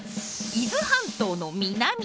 伊豆半島の南。